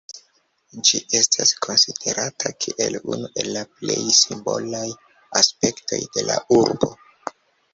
Ĝi estas konsiderata kiel unu el la plej simbolaj aspektoj de la urbo.